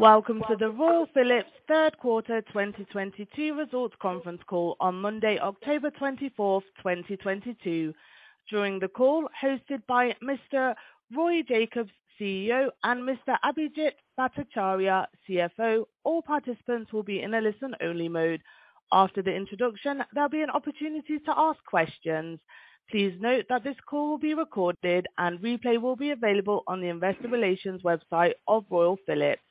Welcome to the Royal Philips Q3 2022 Results Conference Call on Monday, 24th October, 2022. During the call hosted by Mr. Roy Jakobs, CEO, and Mr. Abhijit Bhattacharya, CFO, all participants will be in a listen-only mode. After the introduction, there'll be an opportunity to ask questions. Please note that this call will be recorded and replay will be available on the investor relations website of Royal Philips.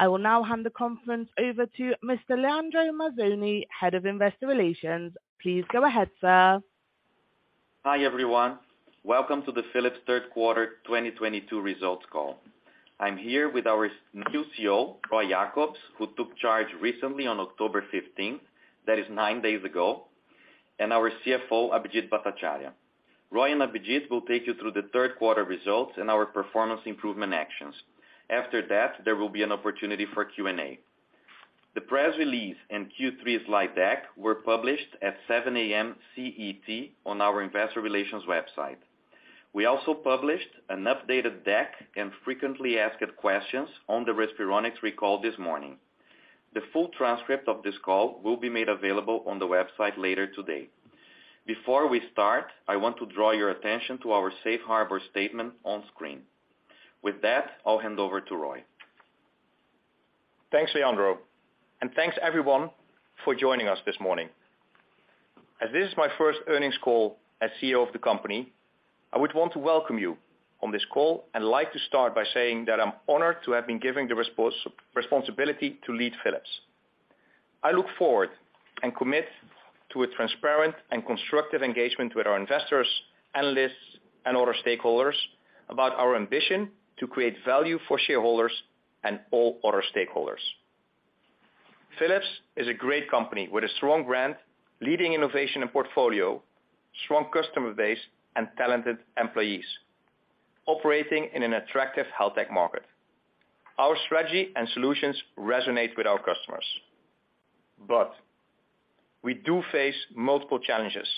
I will now hand the conference over to Mr. Leandro Mazzoni, Head of Investor Relations. Please go ahead, sir. Hi, everyone. Welcome to the Philips Q3 2022 results call. I'm here with our new CEO, Roy Jakobs, who took charge recently on 15th October, that is nine days ago, and our CFO, Abhijit Bhattacharya. Roy and Abhijit will take you through the Q3 results and our performance improvement actions. After that, there will be an opportunity for Q&A. The press release and Q3 slide deck were published at 7: 00 A.M. CET on our Investor Relations website. We also published an updated deck and frequently asked questions on the Respironics recall this morning. The full transcript of this call will be made available on the website later today. Before we start, I want to draw your attention to our safe harbor statement on screen. With that, I'll hand over to Roy. Thanks, Leandro, and thanks everyone for joining us this morning. As this is my first earnings call as CEO of the company, I would want to welcome you on this call and like to start by saying that I'm honored to have been given the responsibility to lead Philips. I look forward and commit to a transparent and constructive engagement with our investors, analysts, and other stakeholders about our ambition to create value for shareholders and all other stakeholders. Philips is a great company with a strong brand, leading innovation and portfolio, strong customer base, and talented employees operating in an attractive health tech market. Our strategy and solutions resonate with our customers. We do face multiple challenges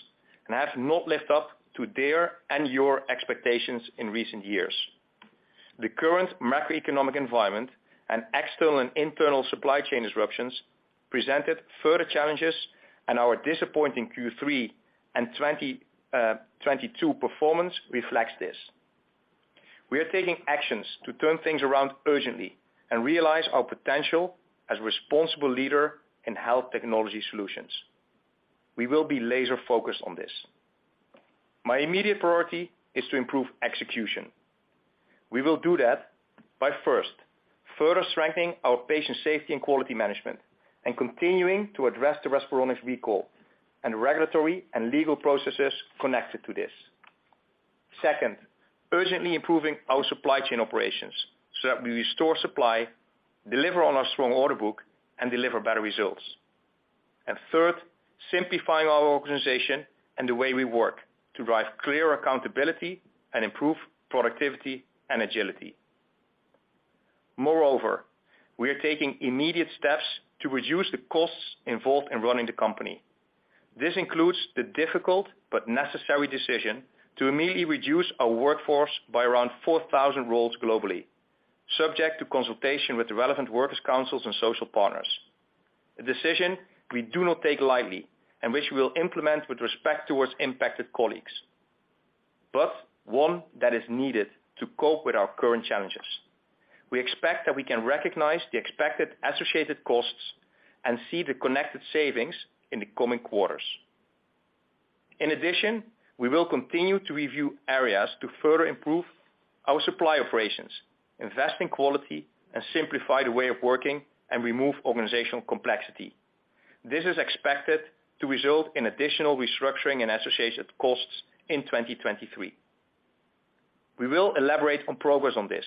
and have not lived up to their and your expectations in recent years. The current macroeconomic environment and external and internal supply chain disruptions presented further challenges, and our disappointing Q3 and 2022 performance reflects this. We are taking actions to turn things around urgently and realize our potential as a responsible leader in health technology solutions. We will be laser-focused on this. My immediate priority is to improve execution. We will do that by, first, further strengthening our patient safety and quality management and continuing to address the Respironics recall and regulatory and legal processes connected to this. Second, urgently improving our supply chain operations so that we restore supply, deliver on our strong order book, and deliver better results. Third, simplifying our organization and the way we work to drive clear accountability and improve productivity and agility. Moreover, we are taking immediate steps to reduce the costs involved in running the company. This includes the difficult but necessary decision to immediately reduce our workforce by around 4,000 roles globally, subject to consultation with the relevant workers councils and social partners. A decision we do not take lightly and which we'll implement with respect towards impacted colleagues, but one that is needed to cope with our current challenges. We expect that we can recognize the expected associated costs and see the connected savings in the coming quarters. In addition, we will continue to review areas to further improve our supply operations, invest in quality, and simplify the way of working and remove organizational complexity. This is expected to result in additional restructuring and associated costs in 2023. We will elaborate on progress on this,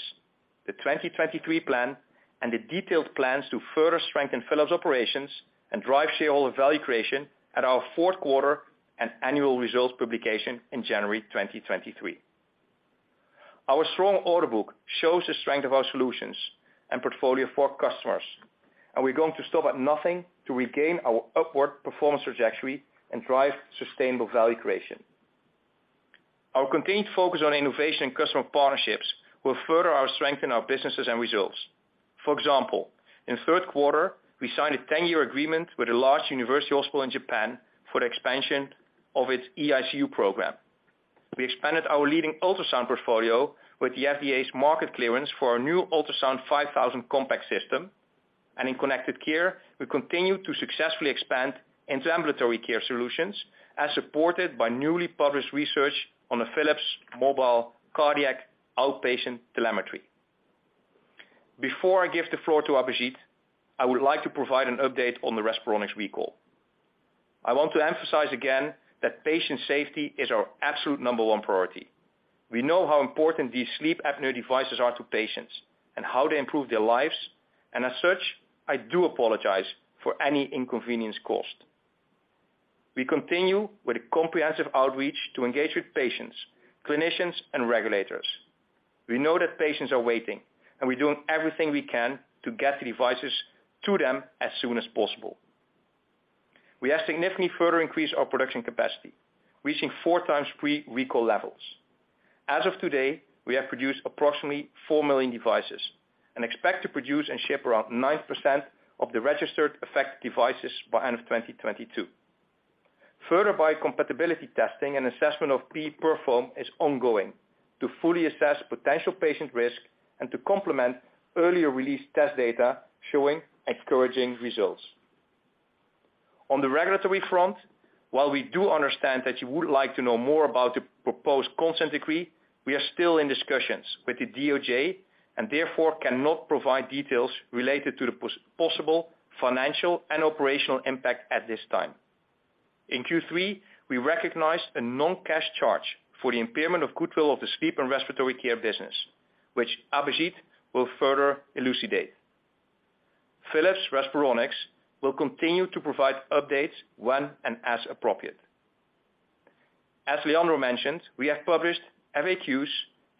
the 2023 plan, and the detailed plans to further strengthen Philips operations and drive shareholder value creation at our Q4 and annual results publication in January 2023. Our strong order book shows the strength of our solutions and portfolio for customers, and we're going to stop at nothing to regain our upward performance trajectory and drive sustainable value creation. Our continued focus on innovation and customer partnerships will further strengthen our businesses and results. For example, in the Q3, we signed a 10-year agreement with a large university hospital in Japan for the expansion of its eICU program. We expanded our leading ultrasound portfolio with the FDA's market clearance for our new Ultrasound 5000 compact system. In Connected Care, we continue to successfully expand into ambulatory care solutions as supported by newly published research on the Philips Mobile Cardiac Outpatient Telemetry. Before I give the floor to Abhijit, I would like to provide an update on the Respironics recall. I want to emphasize again that patient safety is our absolute number one priority. We know how important these sleep apnea devices are to patients and how they improve their lives. As such, I do apologize for any inconvenience caused. We continue with a comprehensive outreach to engage with patients, clinicians, and regulators. We know that patients are waiting, and we're doing everything we can to get the devices to them as soon as possible. We have significantly further increased our production capacity, reaching four times pre-recall levels. As of today, we have produced approximately 4 million devices and expect to produce and ship around 9% of the registered affected devices by end of 2022. Further biocompatibility testing and assessment of PE-PUR foam is ongoing to fully assess potential patient risk and to complement earlier released test data showing encouraging results. On the regulatory front, while we do understand that you would like to know more about the proposed consent decree, we are still in discussions with the DOJ and therefore cannot provide details related to the possible financial and operational impact at this time. In Q3, we recognized a non-cash charge for the impairment of goodwill of the Sleep and Respiratory Care business, which Abhijit will further elucidate. Philips Respironics will continue to provide updates when and as appropriate. As Leandro mentioned, we have published FAQs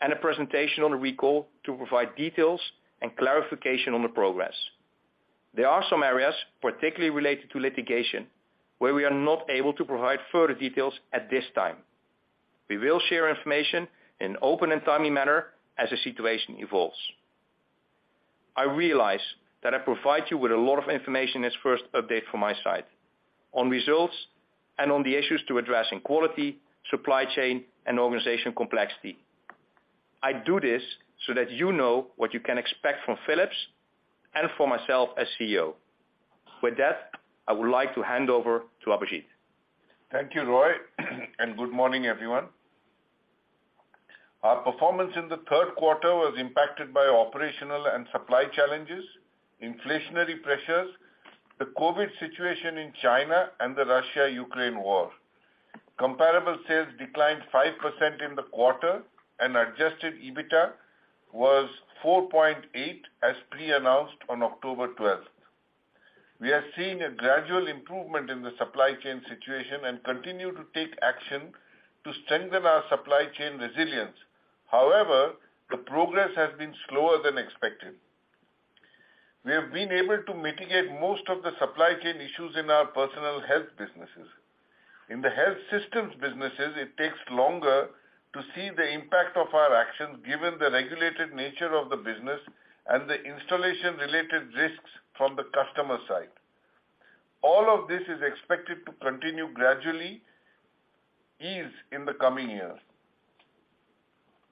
and a presentation on the recall to provide details and clarification on the progress. There are some areas, particularly related to litigation, where we are not able to provide further details at this time. We will share information in an open and timely manner as the situation evolves. I realize that I provide you with a lot of information in this first update from my side on results and on the issues to address in quality, supply chain, and organization complexity. I do this so that you know what you can expect from Philips and for myself as CEO. With that, I would like to hand over to Abhijit. Thank you, Roy, and good morning, everyone. Our performance in the Q3 was impacted by operational and supply challenges, inflationary pressures, the COVID situation in China and the Russia-Ukraine war. Comparable sales declined 5% in the quarter and Adjusted EBITA was 4.8% as pre-announced on 12th October. We have seen a gradual improvement in the supply chain situation and continue to take action to strengthen our supply chain resilience. However, the progress has been slower than expected. We have been able to mitigate most of the supply chain issues in our personal health businesses. In the health systems businesses, it takes longer to see the impact of our actions given the regulated nature of the business and the installation-related risks from the customer side. All of this is expected to continue gradually ease in the coming years.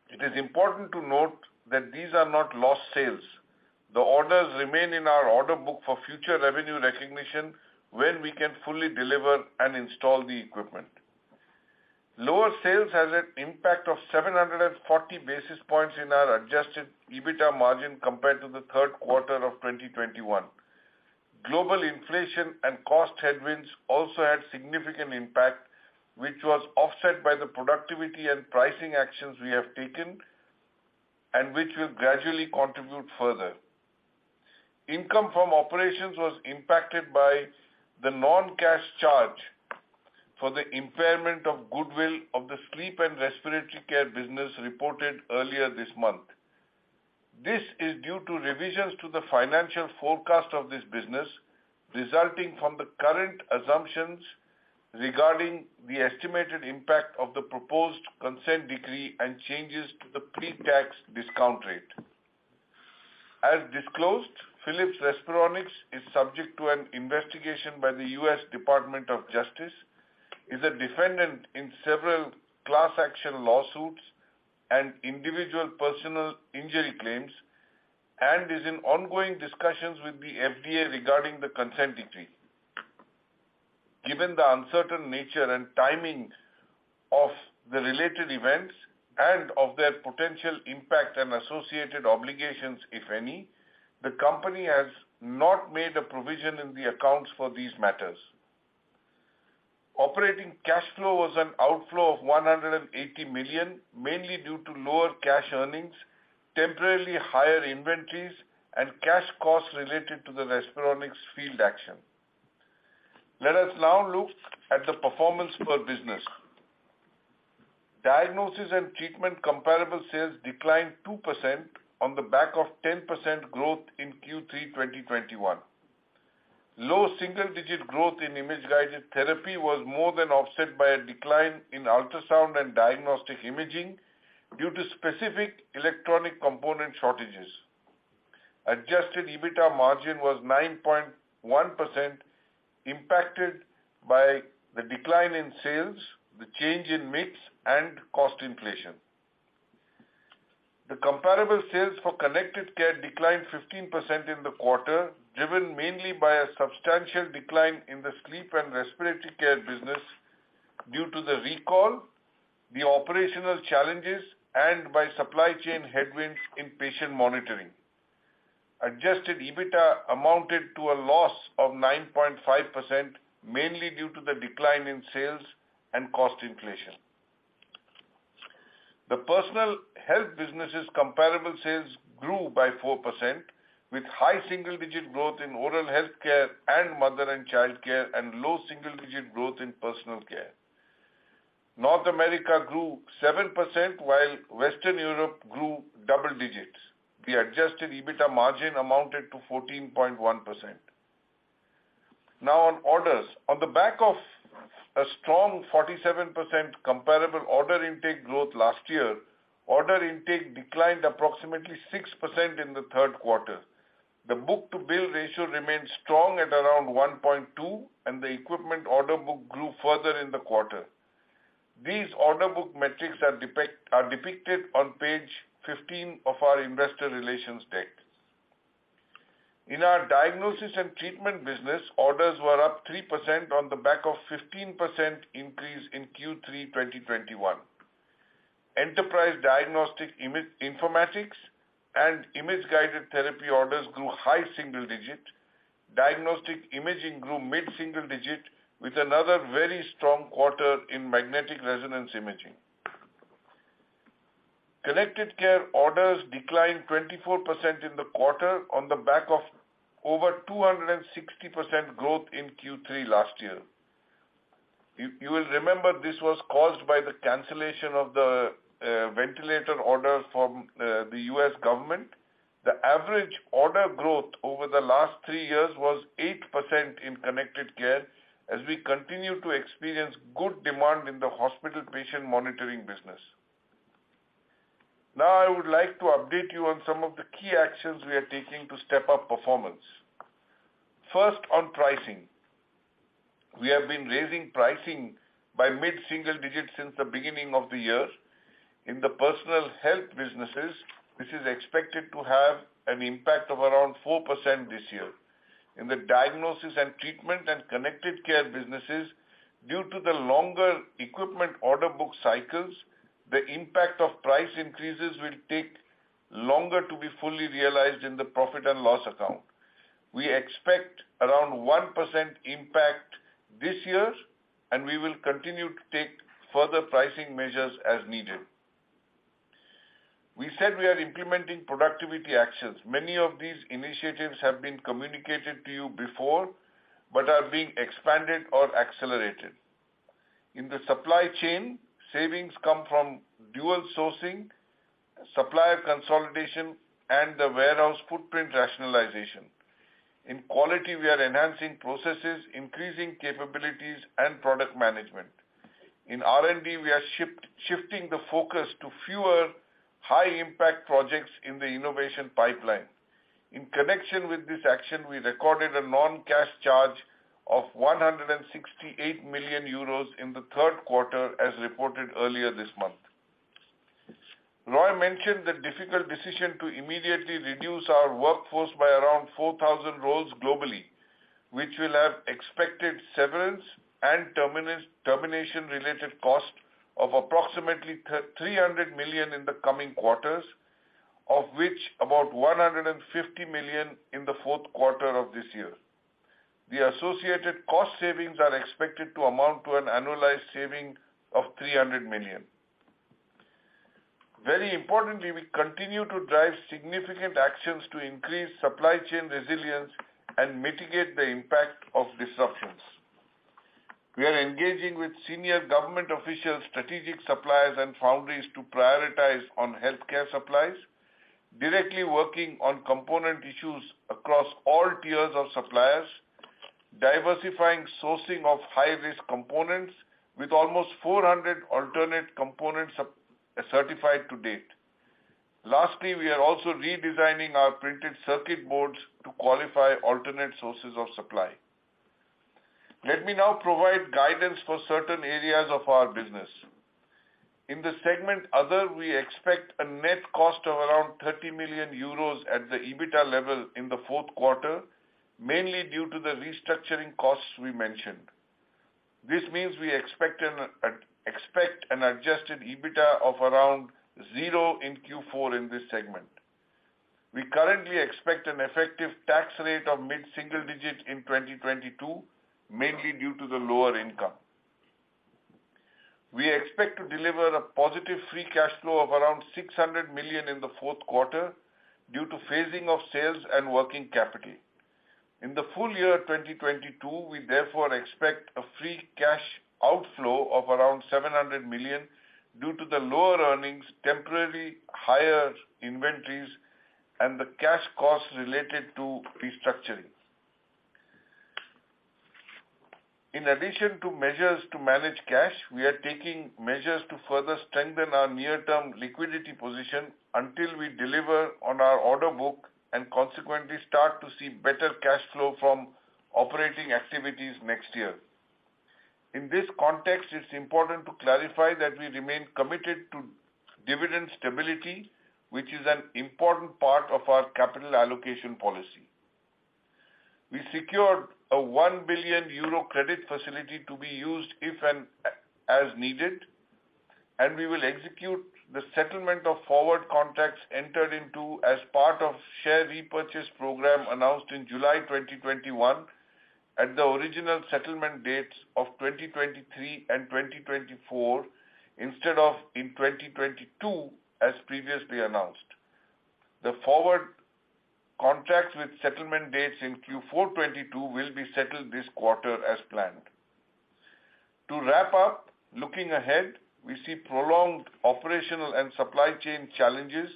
It is important to note that these are not lost sales. The orders remain in our order book for future revenue recognition when we can fully deliver and install the equipment. Lower sales has an impact of 740 basis points in our Adjusted EBITA margin compared to the Q3 of 2021. Global inflation and cost headwinds also had significant impact, which was offset by the productivity and pricing actions we have taken and which will gradually contribute further. Income from operations was impacted by the non-cash charge for the impairment of goodwill of the Sleep and Respiratory Care business reported earlier this month. This is due to revisions to the financial forecast of this business, resulting from the current assumptions regarding the estimated impact of the proposed consent decree and changes to the pre-tax discount rate. As disclosed, Philips Respironics is subject to an investigation by the U.S. Department of Justice, is a defendant in several class action lawsuits and individual personal injury claims, and is in ongoing discussions with the FDA regarding the consent decree. Given the uncertain nature and timing of the related events and of their potential impact and associated obligations, if any, the company has not made a provision in the accounts for these matters. Operating cash flow was an outflow of 180 million, mainly due to lower cash earnings, temporarily higher inventories and cash costs related to the Respironics field action. Let us now look at the performance per business. Diagnosis and Treatment comparable sales declined 2% on the back of 10% growth in Q3 2021. Low single-digit growth in Image-guided therapy was more than offset by a decline in ultrasound and diagnostic imaging due to specific electronic component shortages. Adjusted EBITA margin was 9.1% impacted by the decline in sales, the change in mix and cost inflation. The comparable sales for Connected Care declined 15% in the quarter, driven mainly by a substantial decline in the Sleep and Respiratory Care business due to the recall, the operational challenges and by supply chain headwinds in patient monitoring. Adjusted EBITA amounted to a loss of 9.5% mainly due to the decline in sales and cost inflation. The Personal Health business' comparable sales grew by 4% with high single-digit growth in Oral Health Care and Mother & Child Care and low single-digit growth in Personal Care. North America grew 7%, while Western Europe grew double digits. The adjusted EBITDA margin amounted to 14.1%. Now on orders. On the back of a strong 47% comparable order intake growth last year, order intake declined approximately 6% in the Q3. The book-to-bill ratio remains strong at around 1.2, and the equipment order book grew further in the quarter. These order book metrics are depicted on page 15 of our investor relations deck. In our Diagnosis & Treatment business, orders were up 3% on the back of 15% increase in Q3 2021. Enterprise Diagnostic Informatics and Image-guided therapy orders grew high single digit. Diagnostic Imaging grew mid-single digit with another very strong quarter in Magnetic Resonance Imaging. Connected Care orders declined 24% in the quarter on the back of over 260% growth in Q3 last year. You will remember this was caused by the cancellation of the ventilator orders from the U.S. government. The average order growth over the last three years was 8% in Connected Care as we continue to experience good demand in the Hospital Patient Monitoring business. Now I would like to update you on some of the key actions we are taking to step up performance. First, on pricing. We have been raising pricing by mid-single digits since the beginning of the year. In the Personal Health businesses, this is expected to have an impact of around 4% this year. In the Diagnosis & Treatment and Connected Care businesses, due to the longer equipment order book cycles, the impact of price increases will take longer to be fully realized in the profit and loss account. We expect around 1% impact this year, and we will continue to take further pricing measures as needed. We said we are implementing productivity actions. Many of these initiatives have been communicated to you before, but are being expanded or accelerated. In the supply chain, savings come from dual sourcing, supplier consolidation, and the warehouse footprint rationalization. In quality, we are enhancing processes, increasing capabilities, and product management. In R&D, we are shifting the focus to fewer high-impact projects in the innovation pipeline. In connection with this action, we recorded a non-cash charge of 168 million euros in the Q3, as reported earlier this month. Roy mentioned the difficult decision to immediately reduce our workforce by around 4,000 roles globally, which will have expected severance and termination-related costs of approximately 300 million in the coming quarters, of which about 150 million in the Q4 of this year. The associated cost savings are expected to amount to an annualized saving of 300 million. Very importantly, we continue to drive significant actions to increase supply chain resilience and mitigate the impact of disruptions. We are engaging with senior government officials, strategic suppliers, and foundries to prioritize on healthcare supplies. Directly working on component issues across all tiers of suppliers. Diversifying sourcing of high-risk components with almost 400 alternate components certified to date. Lastly, we are also redesigning our printed circuit boards to qualify alternate sources of supply. Let me now provide guidance for certain areas of our business. In the segment Other, we expect a net cost of around 30 million euros at the EBITDA level in the Q4, mainly due to the restructuring costs we mentioned. This means we expect an adjusted EBITDA of around zero in Q4 in this segment. We currently expect an effective tax rate of mid-single-digit in 2022, mainly due to the lower income. We expect to deliver a positive free cash flow of around 600 million in the Q4 due to phasing of sales and working capital. In the full year 2022, we therefore expect a free cash outflow of around 700 million due to the lower earnings, temporarily higher inventories, and the cash costs related to restructuring. In addition to measures to manage cash, we are taking measures to further strengthen our near-term liquidity position until we deliver on our order book and consequently start to see better cash flow from operating activities next year. In this context, it's important to clarify that we remain committed to dividend stability, which is an important part of our capital allocation policy. We secured a 1 billion euro credit facility to be used if and as needed, and we will execute the settlement of forward contracts entered into as part of share repurchase program announced in July 2021 at the original settlement dates of 2023 and 2024 instead of in 2022 as previously announced. The forward contracts with settlement dates in Q4 2022 will be settled this quarter as planned. To wrap up, looking ahead, we see prolonged operational and supply chain challenges,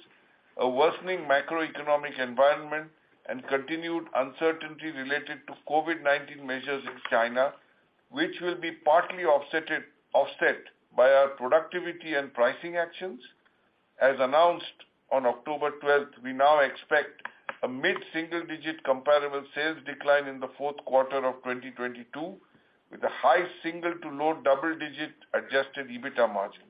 a worsening macroeconomic environment, and continued uncertainty related to COVID-19 measures in China, which will be partly offset by our productivity and pricing actions. As announced on 12 October, we now expect a mid-single-digit comparable sales decline in the Q4 of 2022, with a high-single- to low-double-digit adjusted EBITA margin.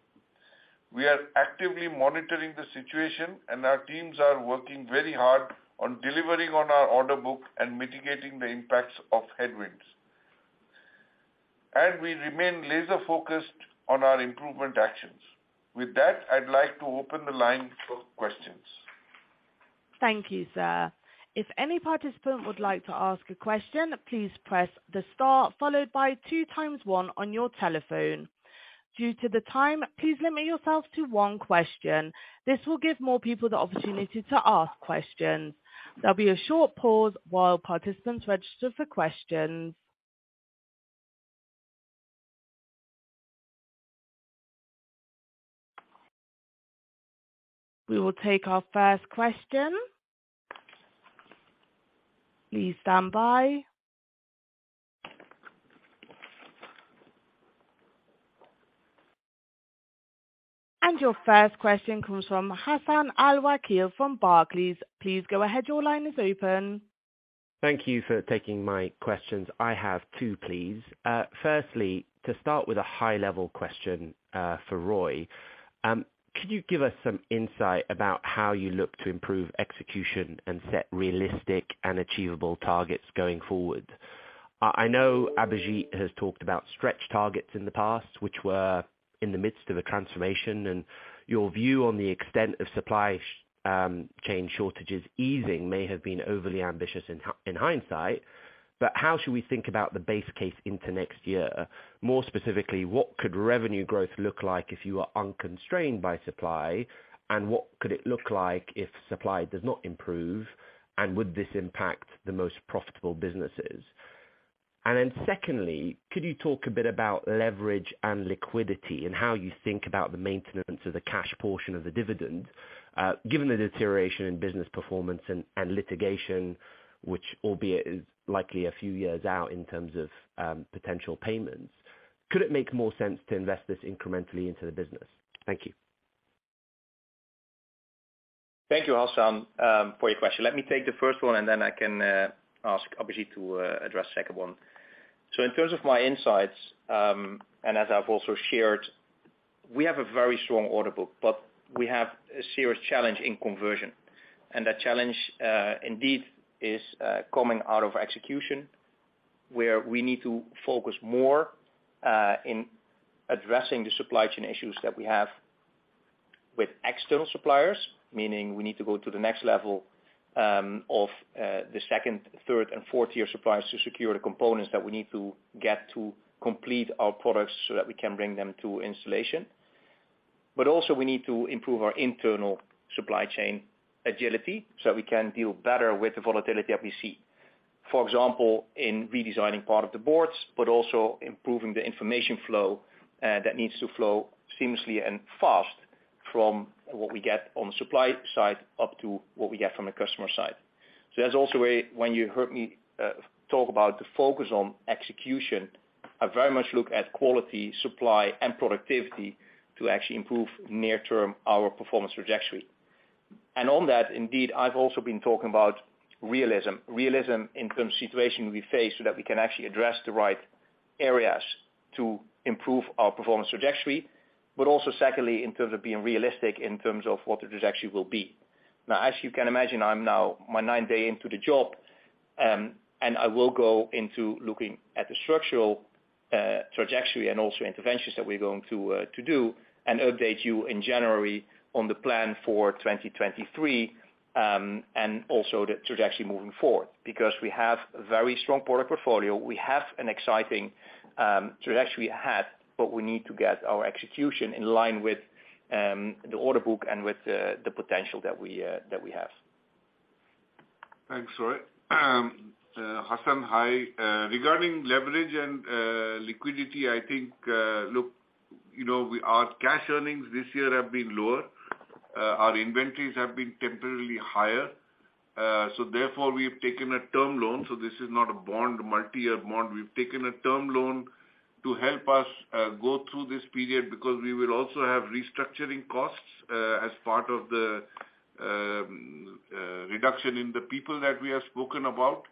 We are actively monitoring the situation, and our teams are working very hard on delivering on our order book and mitigating the impacts of headwinds. We remain laser-focused on our improvement actions. With that, I'd like to open the line for questions. Thank you, sir. If any participant would like to ask a question, please press the star followed by two times one on your telephone. Due to the time, please limit yourself to one question. This will give more people the opportunity to ask questions. There'll be a short pause while participants register for questions. We will take our first question. Please stand by. Your first question comes from Hassan Al-Wakeel from Barclays. Please go ahead. Your line is open. Thank you for taking my questions. I have two, please. Firstly, to start with a high-level question, for Roy. Could you give us some insight about how you look to improve execution and set realistic and achievable targets going forward? I know Abhijit has talked about stretch targets in the past, which were in the midst of a transformation, and your view on the extent of supply chain shortages easing may have been overly ambitious in hindsight, but how should we think about the base case into next year? More specifically, what could revenue growth look like if you are unconstrained by supply? And what could it look like if supply does not improve? And would this impact the most profitable businesses? Could you talk a bit about leverage and liquidity and how you think about the maintenance of the cash portion of the dividend, given the deterioration in business performance and litigation, which albeit is likely a few years out in terms of potential payments. Could it make more sense to invest this incrementally into the business? Thank you. Thank you, Hassan, for your question. Let me take the first one, and then I can ask Abhijit to address second one. In terms of my insights, and as I've also shared, we have a very strong order book, but we have a serious challenge in conversion. That challenge indeed is coming out of execution, where we need to focus more in addressing the supply chain issues that we have with external suppliers, meaning we need to go to the next level of the second, third and fourth-tier suppliers to secure the components that we need to get to complete our products so that we can bring them to installation. Also, we need to improve our internal supply chain agility, so we can deal better with the volatility that we see. For example, in redesigning part of the boards, but also improving the information flow, that needs to flow seamlessly and fast from what we get on the supply side up to what we get from the customer side. That's also why when you heard me, talk about the focus on execution, I very much look at quality, supply and productivity to actually improve near-term our performance trajectory. On that, indeed, I've also been talking about realism. Realism in the situation we face so that we can actually address the right areas to improve our performance trajectory, but also secondly, in terms of being realistic in terms of what the trajectory will be. Now, as you can imagine, I'm now my ninth day into the job, and I will go into looking at the structural trajectory and also interventions that we're going to do and update you in January on the plan for 2023, and also the trajectory moving forward. Because we have a very strong product portfolio. We have an exciting trajectory ahead, but we need to get our execution in line with the order book and with the potential that we have. Thanks, Roy. Hassan, hi. Regarding leverage and liquidity, I think, look, you know, we, our cash earnings this year have been lower. Our inventories have been temporarily higher. So therefore, we have taken a term loan, so this is not a bond, multi-year bond. We've taken a term loan to help us go through this period because we will also have restructuring costs as part of the reduction in the people that we have spoken about.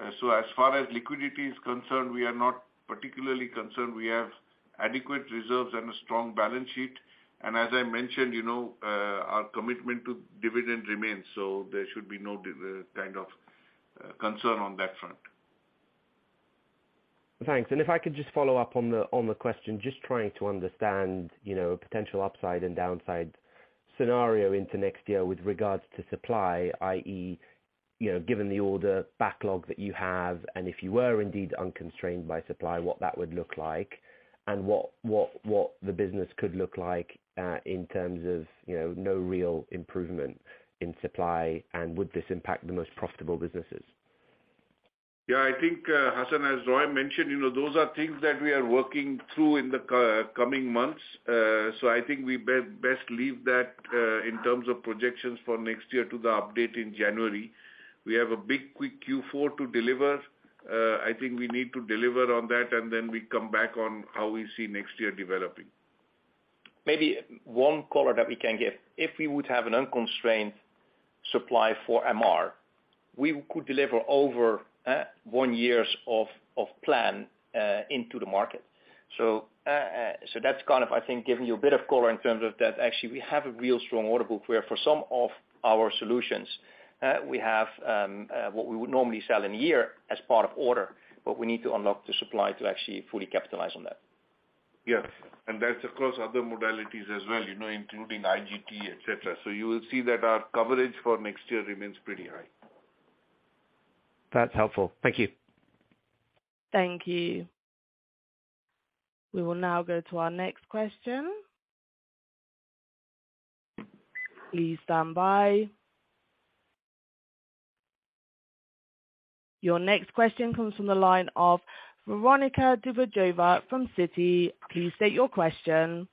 As far as liquidity is concerned, we are not particularly concerned. We have adequate reserves and a strong balance sheet. As I mentioned, you know, our commitment to dividend remains, so there should be no kind of concern on that front. Thanks. If I could just follow up on the question, just trying to understand, you know, potential upside and downside scenario into next year with regards to supply, i.e. you know, given the order backlog that you have, and if you were indeed unconstrained by supply, what that would look like and what the business could look like in terms of, you know, no real improvement in supply. Would this impact the most profitable businesses? Yeah, I think, Hassan, as Roy mentioned, you know, those are things that we are working through in the coming months. I think we best leave that in terms of projections for next year to the update in January. We have a big Q4 to deliver. I think we need to deliver on that, and then we come back on how we see next year developing. Maybe one color that we can give. If we would have an unconstrained supply for MR, we could deliver over one years of plan into the market. That's kind of, I think, giving you a bit of color in terms of that. Actually, we have a real strong order book where for some of our solutions, we have what we would normally sell in a year as part of order, but we need to unlock the supply to actually fully capitalize on that. Yes. That's across other modalities as well, you know, including IGT, et cetera. You will see that our coverage for next year remains pretty high. That's helpful. Thank you. Thank you. We will now go to our next question. Please stand by. Your next question comes from the line of Veronika Dubajova from Citi. Please state your question.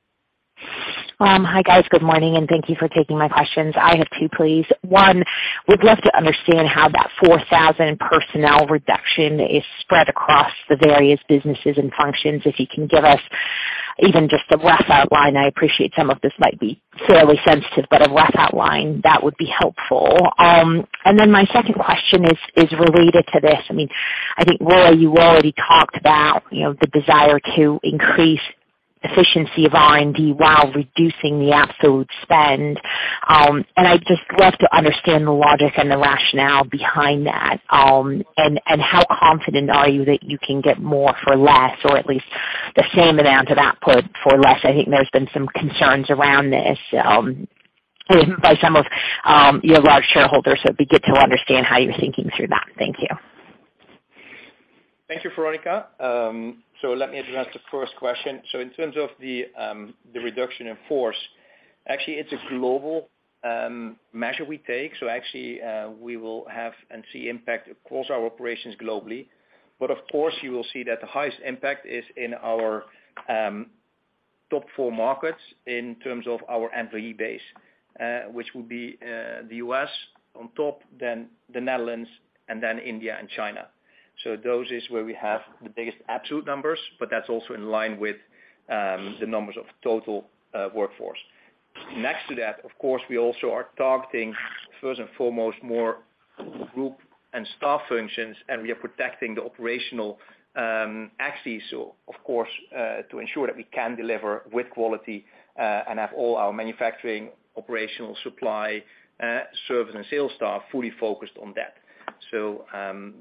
Hi, guys. Good morning, and thank you for taking my questions. I have two, please. One, we'd love to understand how that 4,000 personnel reduction is spread across the various businesses and functions. If you can give us even just a rough outline. I appreciate some of this might be fairly sensitive, but a rough outline that would be helpful. And then my second question is related to this. I mean, I think, Roy, you already talked about, you know, the desire to increase efficiency of R&D while reducing the absolute spend. And I'd just love to understand the logic and the rationale behind that. And how confident are you that you can get more for less or at least the same amount of output for less? I think there's been some concerns around this by some of your large shareholders. It'd be good to understand how you're thinking through that. Thank you. Thank you, Veronica. Let me address the first question. In terms of the reduction in force, actually it's a global measure we take. Actually, we will have an impact across our operations globally. Of course, you will see that the highest impact is in our top four markets in terms of our employee base, which will be the U.S. on top, then the Netherlands and then India and China. Those is where we have the biggest absolute numbers, but that's also in line with the numbers of total workforce. Next to that, of course, we also are targeting first and foremost more group and staff functions, and we are protecting the operational assets, so of course, to ensure that we can deliver with quality, and have all our manufacturing, operational supply, service and sales staff fully focused on that.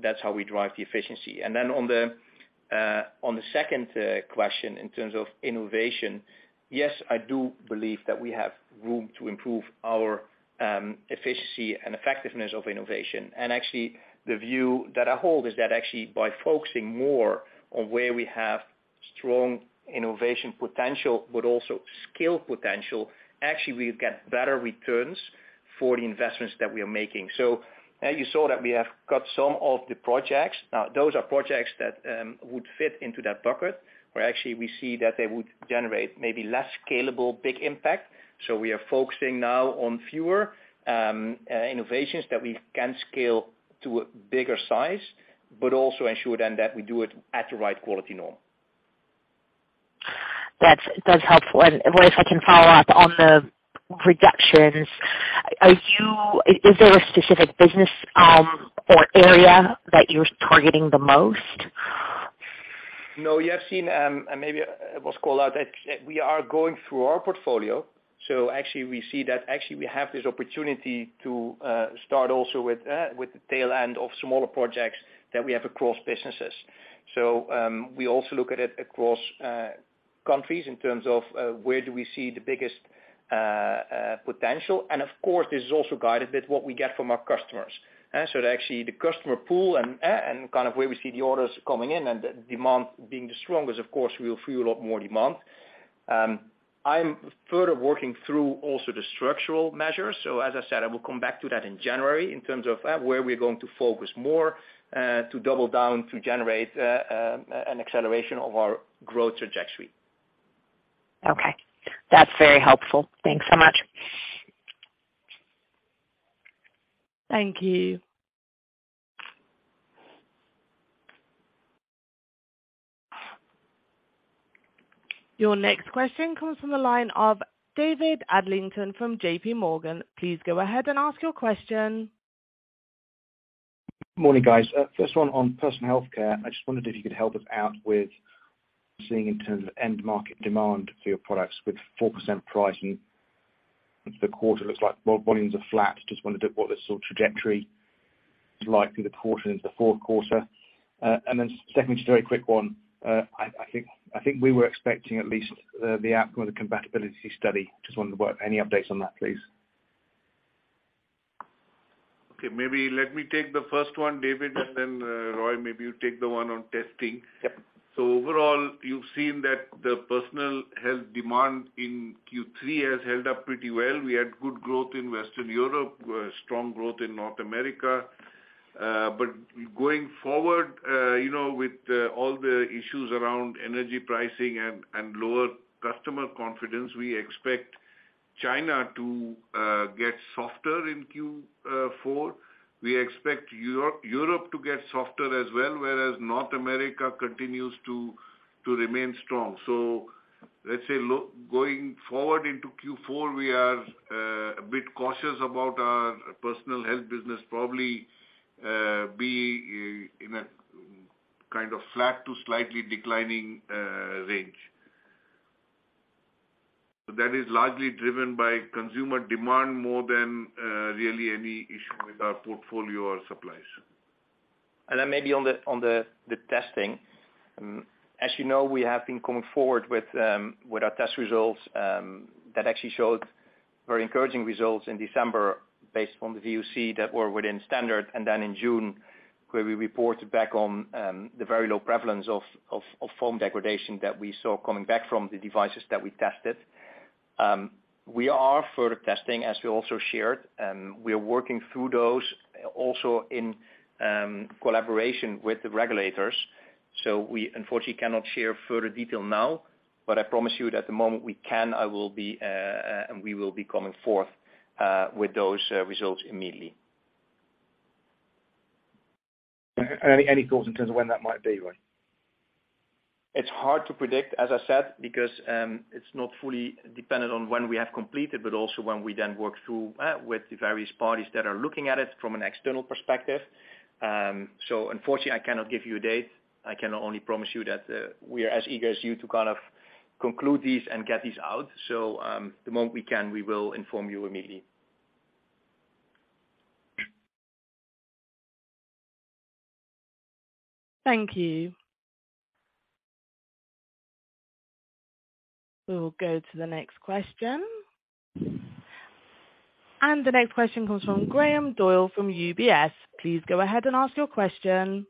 That's how we drive the efficiency. On the second question in terms of innovation, yes, I do believe that we have room to improve our efficiency and effectiveness of innovation. Actually, the view that I hold is that actually, by focusing more on where we have strong innovation potential, but also skill potential, actually we get better returns for the investments that we are making. You saw that we have cut some of the projects. Now, those are projects that would fit into that bucket, where actually we see that they would generate maybe less scalable, big impact. We are focusing now on fewer innovations that we can scale to a bigger size, but also ensure then that we do it at the right quality norm. That's helpful. Roy, if I can follow up on the reductions, is there a specific business or area that you're targeting the most? No, you have seen, maybe it was called out that we are going through our portfolio. Actually we see that actually we have this opportunity to start also with the tail end of smaller projects that we have across businesses. We also look at it across countries in terms of where do we see the biggest potential. Of course, this is also guided with what we get from our customers. Actually the customer pool and kind of where we see the orders coming in and demand being the strongest, of course, we'll fuel a lot more demand. I'm further working through also the structural measures. As I said, I will come back to that in January in terms of where we're going to focus more to double down to generate an acceleration of our growth trajectory. Okay. That's very helpful. Thanks so much. Thank you. Your next question comes from the line of David Adlington from JPMorgan. Please go ahead and ask your question. Morning, guys. First one on Personal Health. I just wondered if you could help us out with seeing in terms of end market demand for your products with 4% pricing. The quarter looks like volumes are flat. Just wondered what the sort of trajectory is likely the quarter into the Q4. Then secondly, just a very quick one. I think we were expecting at least the outcome of the compatibility study. Just wondering what any updates on that, please. Okay, maybe let me take the first one, David, and then, Roy, maybe you take the one on testing. Yep. Overall, you've seen that the Personal Health demand in Q3 has held up pretty well. We had good growth in Western Europe, strong growth in North America. Going forward, you know, with all the issues around energy pricing and lower customer confidence, we expect China to get softer in Q4. We expect Europe to get softer as well, whereas North America continues to remain strong. Going forward into Q4, we are a bit cautious about our Personal Health business probably be in a kind of flat to slightly declining range. That is largely driven by consumer demand more than really any issue with our portfolio or supplies. Maybe on the testing. As you know, we have been coming forward with our test results that actually showed very encouraging results in December based on the VOC that were within standard, and then in June, where we reported back on the very low prevalence of foam degradation that we saw coming back from the devices that we tested. We are further testing, as we also shared, and we are working through those also in collaboration with the regulators. We unfortunately cannot share further detail now, but I promise you that the moment we can, I will be and we will be coming forth with those results immediately. Any thoughts in terms of when that might be, Roy? It's hard to predict, as I said, because it's not fully dependent on when we have completed, but also when we then work through with the various parties that are looking at it from an external perspective. Unfortunately, I cannot give you a date. I can only promise you that we are as eager as you to kind of conclude this and get this out. The moment we can, we will inform you immediately. Thank you. We will go to the next question. The next question comes from Graham Doyle from UBS. Please go ahead and ask your question.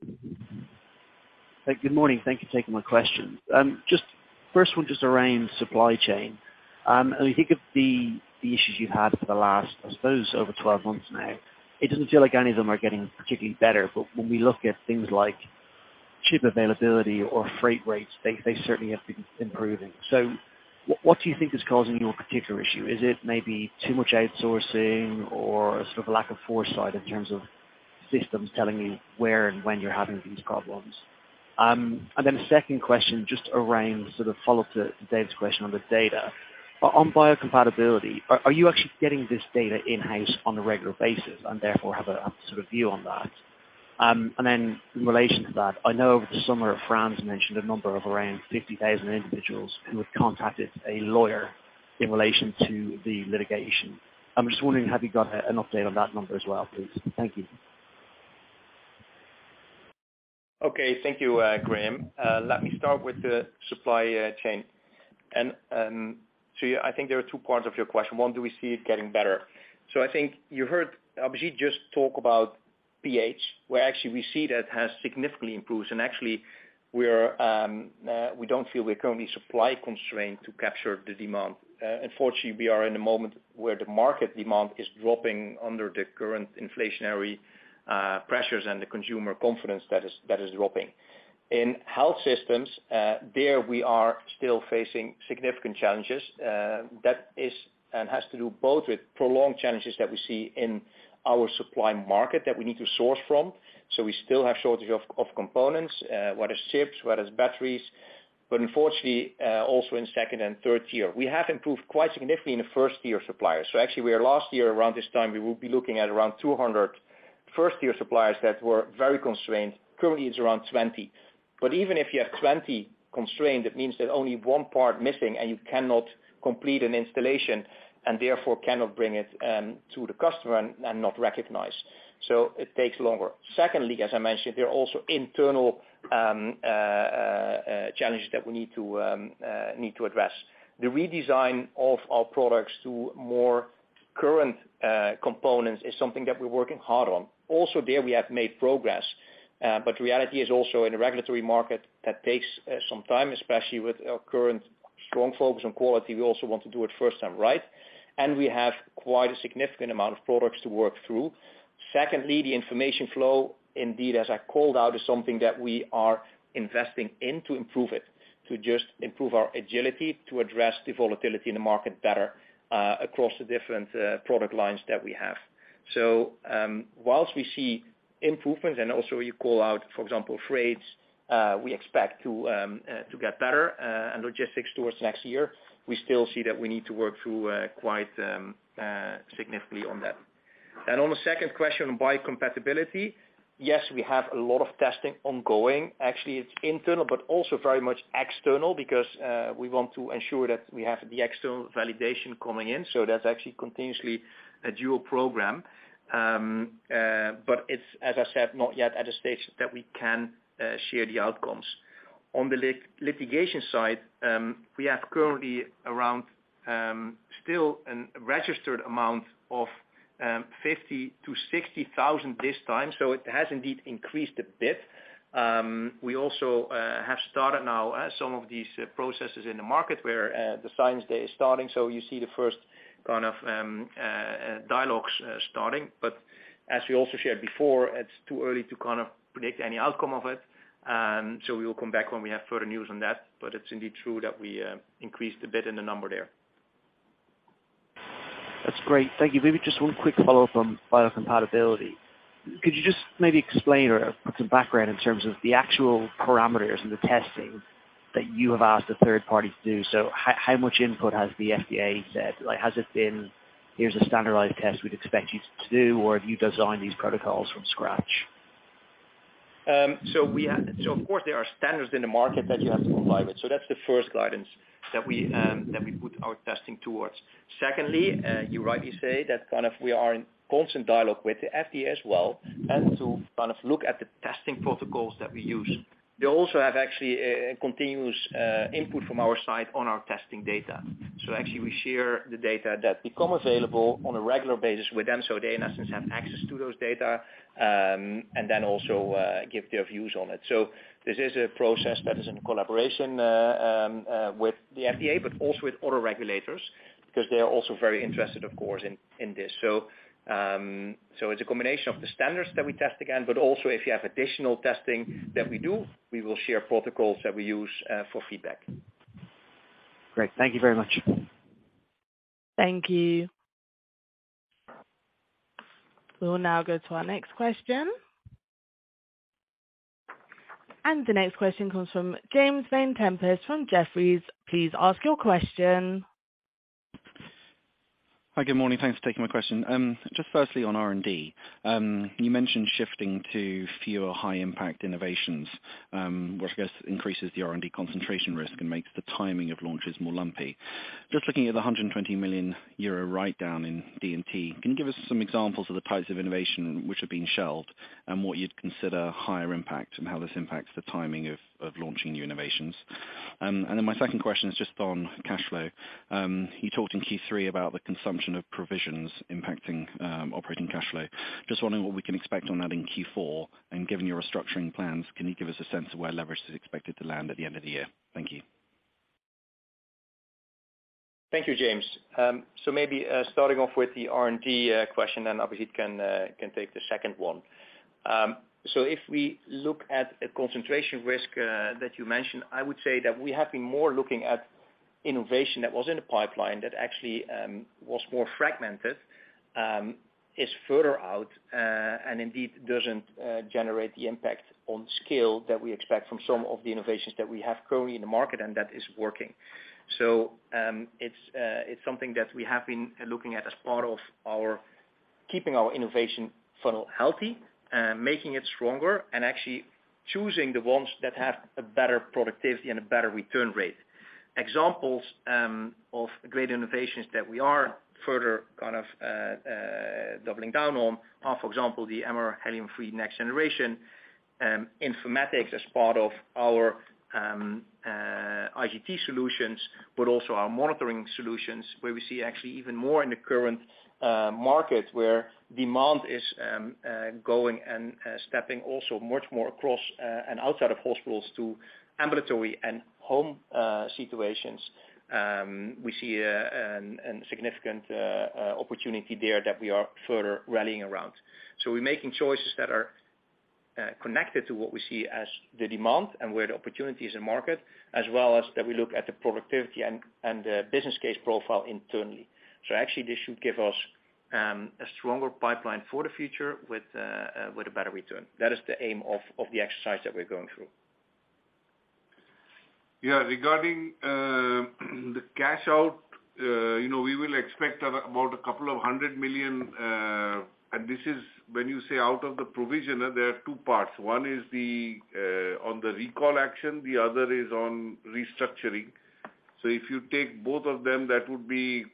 Good morning. Thank you for taking my question. Just first one just around supply chain. We think of the issues you've had for the last, I suppose, over 12 months now. It doesn't feel like any of them are getting particularly better. When we look at things like chip availability or freight rates, they certainly have been improving. What do you think is causing your particular issue? Is it maybe too much outsourcing or sort of lack of foresight in terms of systems telling you where and when you're having these problems? Second question, just around sort of follow-up to Dave's question on the data. On biocompatibility, are you actually getting this data in-house on a regular basis and therefore have a sort of view on that? In relation to that, I know over the summer, Frans mentioned a number of around 50,000 individuals who had contacted a lawyer in relation to the litigation. I'm just wondering, have you got an update on that number as well, please? Thank you. Okay, thank you, Graham. Let me start with the supply chain. I think there are two parts of your question. One, do we see it getting better? I think you heard Abhijit just talk about PH, where actually we see that has significantly improved. Actually, we don't feel we're currently supply-constrained to capture the demand. Unfortunately, we are in a moment where the market demand is dropping under the current inflationary pressures and the consumer confidence that is dropping. In health systems, there we are still facing significant challenges. That is and has to do both with prolonged challenges that we see in our supply market that we need to source from. We still have shortage of components, whether it's chips, whether it's batteries, but unfortunately, also in second- and third-tier. We have improved quite significantly in the first-tier suppliers. Actually we are last year around this time, we would be looking at around 200 first-tier suppliers that were very constrained. Currently, it's around 20. But even if you have 20 constrained, it means there's only one part missing and you cannot complete an installation and therefore cannot bring it to the customer and not recognize. It takes longer. Secondly, as I mentioned, there are also internal challenges that we need to address. The redesign of our products to more current components is something that we're working hard on. Also there, we have made progress, but reality is also in a regulatory market that takes some time, especially with our current strong focus on quality. We also want to do it first time right. We have quite a significant amount of products to work through. Secondly, the information flow, indeed, as I called out, is something that we are investing in to improve it, to just improve our agility to address the volatility in the market better, across the different product lines that we have. While we see improvements and also you call out, for example, freight, we expect to get better and logistics towards next year. We still see that we need to work through quite significantly on that. On the second question, biocompatibility, yes, we have a lot of testing ongoing. Actually, it's internal, but also very much external because we want to ensure that we have the external validation coming in. That's actually continuously a dual program. It's, as I said, not yet at a stage that we can share the outcomes. On the litigation side, we have currently around still a registered amount of 50-60 thousand this time, so it has indeed increased a bit. We also have started now some of these processes in the market where the science day is starting. You see the first kind of dialogues starting. As we also shared before, it's too early to kind of predict any outcome of it. We will come back when we have further news on that. It's indeed true that we increased a bit in the number there. That's great. Thank you. Maybe just one quick follow-up on biocompatibility. Could you just maybe explain or put some background in terms of the actual parameters and the testing that you have asked a third party to do? So how much input has the FDA said? Like, has it been, "Here's a standardized test we'd expect you to do," or have you designed these protocols from scratch? Of course, there are standards in the market that you have to comply with. That's the first guidance that we put our testing towards. Secondly, you rightly say that kind of we are in constant dialogue with the FDA as well and to kind of look at the testing protocols that we use. They also have actually continuous input from our side on our testing data. Actually we share the data that become available on a regular basis with them, so they in essence have access to those data, and then also give their views on it. This is a process that is in collaboration with the FDA, but also with other regulators, because they are also very interested of course in this. It's a combination of the standards that we test against, but also if you have additional testing that we do, we will share protocols that we use for feedback. Great. Thank you very much. Thank you. We will now go to our next question. The next question comes from James Vane-Tempest from Jefferies. Please ask your question. Hi, good morning. Thanks for taking my question. Just firstly on R&D, you mentioned shifting to fewer high impact innovations, which I guess increases the R&D concentration risk and makes the timing of launches more lumpy. Just looking at the 120 million euro write-down in D&T, can you give us some examples of the types of innovation which are being shelved and what you'd consider higher impact, and how this impacts the timing of launching new innovations? My second question is just on cash flow. You talked in Q3 about the consumption of provisions impacting operating cash flow. Just wondering what we can expect on that in Q4, and given your restructuring plans, can you give us a sense of where leverage is expected to land at the end of the year? Thank you. Thank you, James. Maybe starting off with the R&D question, and Abhijit can take the second one. If we look at the concentration risk that you mentioned, I would say that we have been more looking at innovation that was in the pipeline that actually was more fragmented, is further out, and indeed doesn't generate the impact on scale that we expect from some of the innovations that we have currently in the market and that is working. It's something that we have been looking at as part of our, keeping our innovation funnel healthy, making it stronger and actually choosing the ones that have a better productivity and a better return rate. Examples of great innovations that we are further kind of doubling down on are, for example, the Helium-free MRI next generation, Informatics as part of our IGT solutions, but also our monitoring solutions, where we see actually even more in the current market where demand is growing and stepping also much more across and outside of hospitals to ambulatory and home situations. We see a significant opportunity there that we are further rallying around. We're making choices that are connected to what we see as the demand and where the opportunity is in market, as well as that we look at the productivity and the business case profile internally. Actually, this should give us a stronger pipeline for the future with a better return. That is the aim of the exercise that we're going through. Yeah, regarding the cash out, you know, we will expect about 100 million, and this is when you say out of the provision, there are two parts. One is on the recall action, the other is on restructuring. If you take both of them, that would be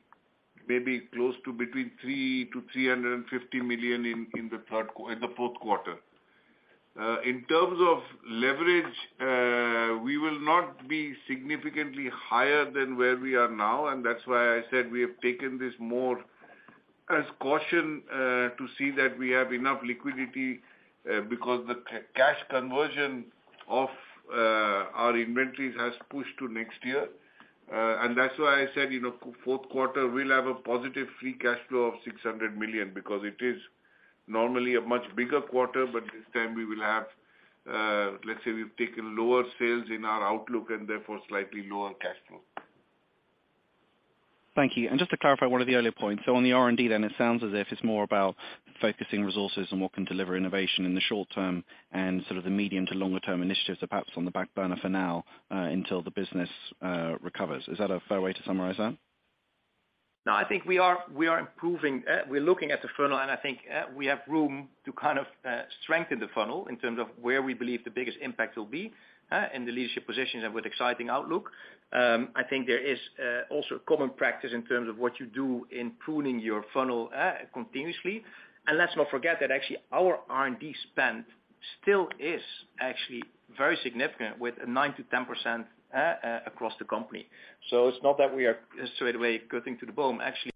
maybe close to between 300 million-350 million in the Q4. In terms of leverage, we will not be significantly higher than where we are now, and that's why I said we have taken this more as caution to see that we have enough liquidity, because the cash conversion of our inventories has pushed to next year. That's why I said, you know, Q4 we'll have a positive free cash flow of 600 million because it is normally a much bigger quarter, but this time we will have, let's say we've taken lower sales in our outlook and therefore slightly lower cash flow. Thank you. Just to clarify one of the earlier points, so on the R&D then, it sounds as if it's more about focusing resources on what can deliver innovation in the short term and sort of the medium to longer term initiatives are perhaps on the back burner for now, until the business recovers. Is that a fair way to summarize that? No, I think we are improving. We're looking at the funnel, and I think we have room to kind of strengthen the funnel in terms of where we believe the biggest impact will be in the leadership positions and with exciting outlook. I think there is also common practice in terms of what you do in pruning your funnel continuously. Let's not forget that actually our R&D spend still is actually very significant with 9%-10% across the company. It's not that we are straight away cutting to the bone. Actually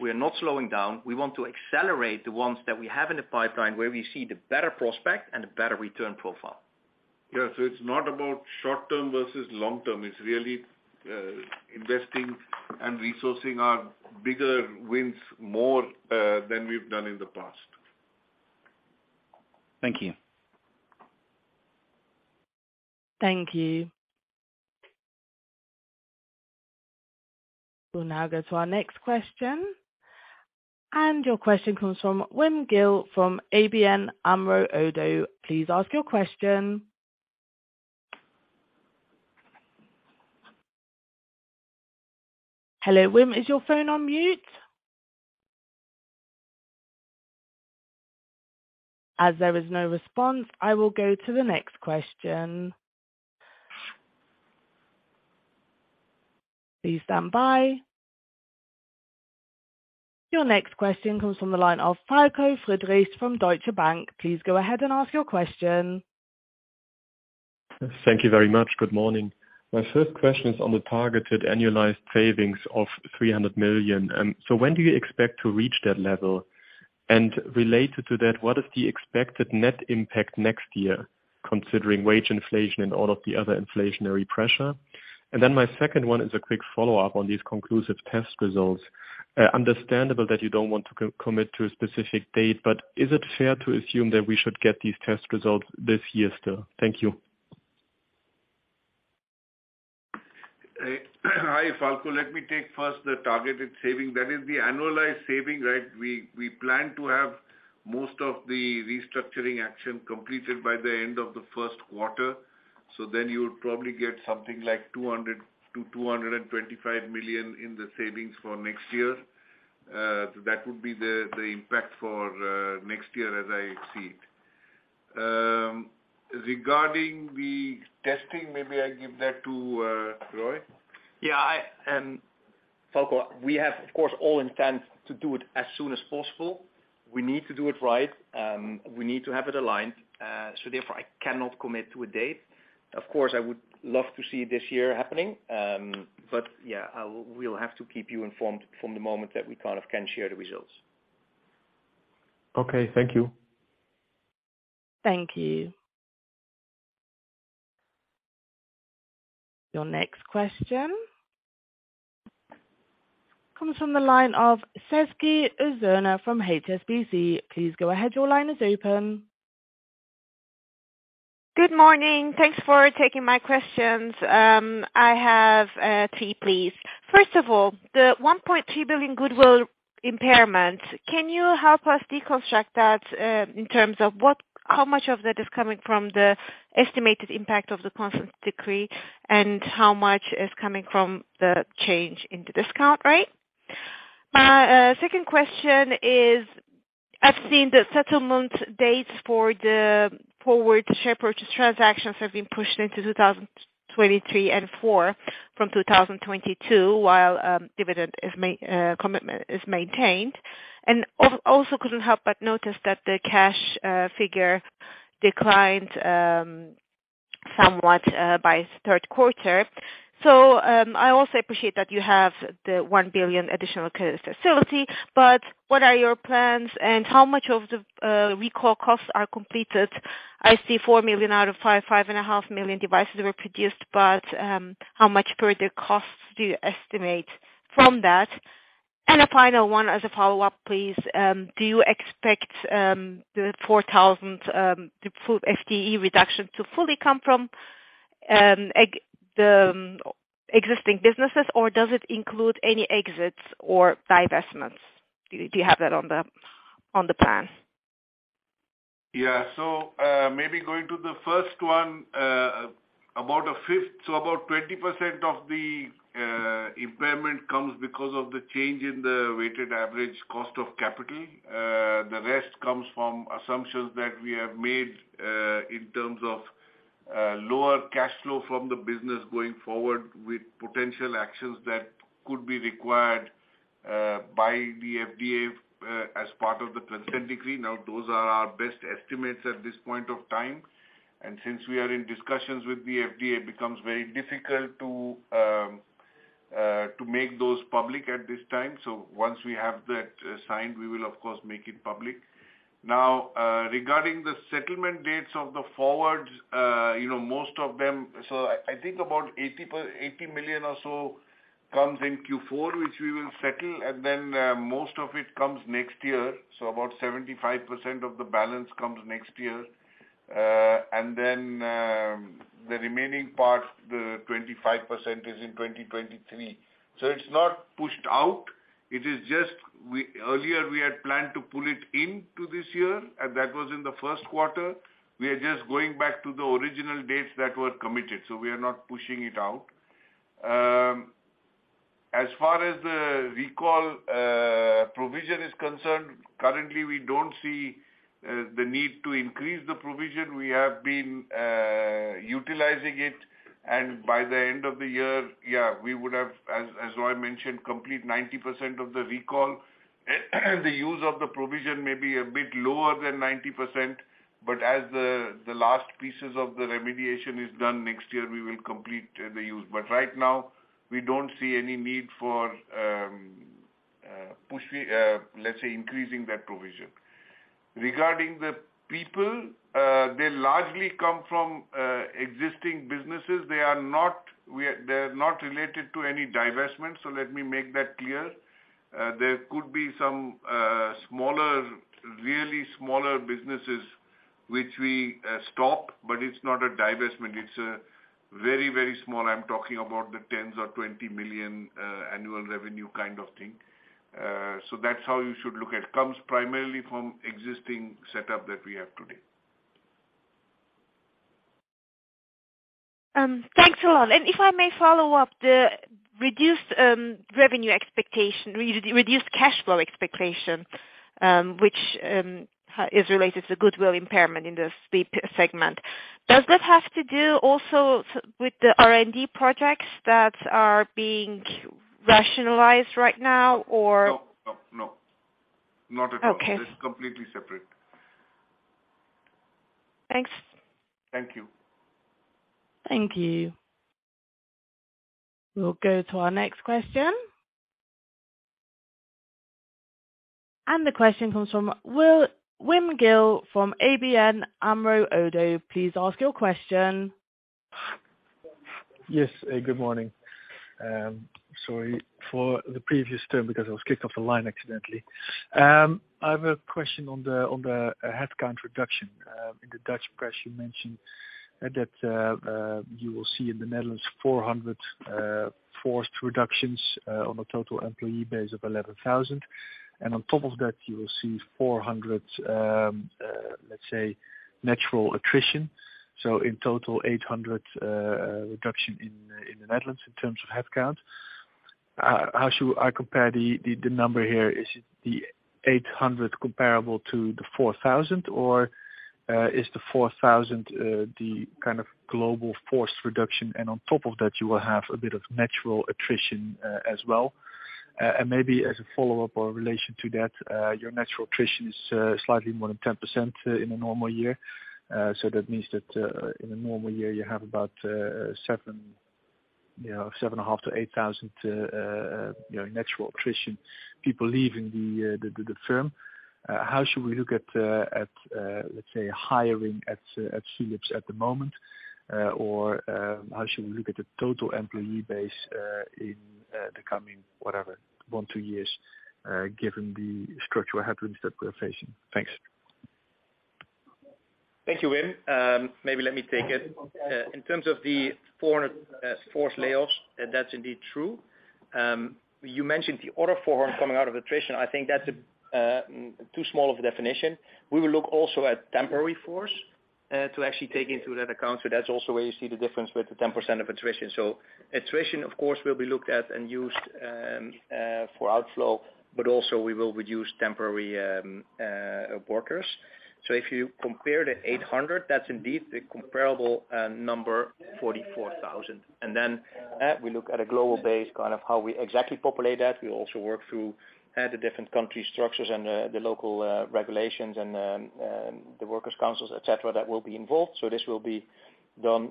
we are not slowing down. We want to accelerate the ones that we have in the pipeline, where we see the better prospect and the better return profile. Yeah. It's not about short-term versus long-term. It's really, investing and resourcing our bigger wins more, than we've done in the past. Thank you. Thank you. We'll now go to our next question. Your question comes from Wim Gille from ABN AMRO ODDO. Please ask your question. Hello, Wim, is your phone on mute? As there is no response, I will go to the next question. Please stand by. Your next question comes from the line of Falko Friedrichs from Deutsche Bank. Please go ahead and ask your question. Thank you very much. Good morning. My first question is on the targeted annualized savings of 300 million. When do you expect to reach that level? Related to that, what is the expected net impact next year considering wage inflation and all of the other inflationary pressure? My second one is a quick follow-up on these conclusive test results. Understandable that you don't want to co-commit to a specific date, but is it fair to assume that we should get these test results this year still? Thank you. Hi, Falko. Let me take first the targeted saving. That is the annualized saving, right? We plan to have most of the restructuring action completed by the end of the Q1. You'll probably get something like 200 million-225 million in the savings for next year. That would be the impact for next year as I see it. Regarding the testing, maybe I give that to Roy. Yeah, I, Falko, we have of course all intent to do it as soon as possible. We need to do it right. We need to have it aligned. Therefore, I cannot commit to a date. Of course, I would love to see it this year happening. But yeah, we'll have to keep you informed from the moment that we kind of can share the results. Okay, thank you. Thank you. Your next question comes from the line of Sezgi Ozener from HSBC. Please go ahead. Your line is open. Good morning. Thanks for taking my questions. I have three, please. First of all, the 1.3 billion goodwill impairment, can you help us deconstruct that in terms of how much of that is coming from the estimated impact of the consent decree and how much is coming from the change in the discount rate? Second question is, I've seen the settlement dates for the forward share purchase transactions have been pushed into 2023 and 2024 from 2022 while dividend commitment is maintained. Also couldn't help but notice that the cash figure declined somewhat by Q3. I also appreciate that you have the 1 billion additional credit facility, but what are your plans and how much of the recall costs are completed? I see 4 million out of 5.5 million devices were produced, but how much further costs do you estimate from that? A final one as a follow-up, please. Do you expect the 4,000 full FTE reduction to fully come from the existing businesses or does it include any exits or divestments? Do you have that on the plan? Yeah. Maybe going to the first one, about a fifth, so about 20% of the impairment comes because of the change in the weighted average cost of capital. The rest comes from assumptions that we have made in terms of lower cash flow from the business going forward with potential actions that could be required by the FDA as part of the consent decree. Now, those are our best estimates at this point of time, and since we are in discussions with the FDA, it becomes very difficult to make those public at this time. Once we have that signed, we will of course make it public. Now, regarding the settlement dates of the forwards, you know most of them. I think about 80 million or so comes in Q4, which we will settle, and then, most of it comes next year, so about 75% of the balance comes next year. Then, the remaining part, the 25% is in 2023. It's not pushed out. It is just earlier we had planned to pull it into this year, and that was in the Q1. We are just going back to the original dates that were committed, so we are not pushing it out. As far as the recall provision is concerned, currently, we don't see the need to increase the provision. We have been utilizing it, and by the end of the year, we would have, as Roy mentioned, complete 90% of the recall. The use of the provision may be a bit lower than 90%, as the last pieces of the remediation is done next year, we will complete the use. Right now we don't see any need for, let's say, increasing that provision. Regarding the people, they largely come from existing businesses. They're not related to any divestment, so let me make that clear. There could be some smaller, really smaller businesses which we stop, but it's not a divestment. It's very, very small. I'm talking about the tens or 20 million annual revenue kind of thing. That's how you should look at, comes primarily from existing setup that we have today. Thanks a lot. If I may follow up, the reduced revenue expectation, reduced cash flow expectation, which is related to goodwill impairment in the sleep segment. Does that have to do also with the R&D projects that are being rationalized right now, or? No, no. Not at all. Okay. It's completely separate. Thanks. Thank you. Thank you. We'll go to our next question. The question comes from Wim Gille from ABN AMRO ODDO. Please ask your question. Yes. Good morning. Sorry for the previous turn, because I was kicked off the line accidentally. I have a question on the headcount reduction. In the Dutch press, you mentioned that you will see in the Netherlands 400 workforce reductions on a total employee base of 11,000. On top of that, you will see 400 natural attrition. In total, 800 reduction in the Netherlands in terms of headcount. How should I compare the number here? Is it the 800 comparable to the 4,000, or is the 4,000 the kind of global workforce reduction and on top of that, you will have a bit of natural attrition as well? Maybe as a follow-up or relation to that, your natural attrition is slightly more than 10% in a normal year. That means that in a normal year, you have about seven, you know, 7.5-8,000 natural attrition people leaving the firm. How should we look at, let's say, hiring at Philips at the moment? Or, how should we look at the total employee base in the coming, whatever, one to two years, given the structural headwinds that we're facing? Thanks. Thank you, Wim. Maybe let me take it. In terms of the 400 forced layoffs, that's indeed true. You mentioned the other 400 coming out of attrition. I think that's a too small of a definition. We will look also at temporary workforce to actually take into that account. That's also where you see the difference with the 10% of attrition. Attrition, of course, will be looked at and used for outflow, but also we will reduce temporary workers. If you compare the 800, that's indeed the comparable number 44,000. Then we look at a global base, kind of how we exactly populate that. We also work through the different country structures and the local regulations and the works councils, et cetera, that will be involved. This will be done